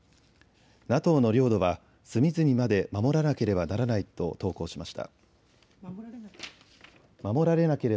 ＮＡＴＯの領土は隅々まで守らなければならないと投稿しました。